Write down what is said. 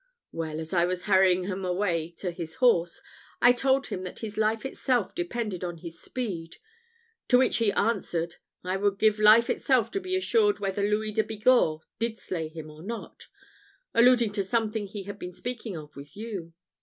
Well, as I was hurrying him away to his horse, I told him that his life itself depended on his speed; to which he answered, 'I would give life itself to be assured whether Louis de Bigorre did slay him or not;' alluding to something he had been speaking of with you.